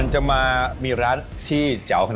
เฮ้ยล้มเหลว